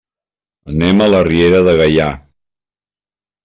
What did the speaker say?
Anem a la Riera de Gaià.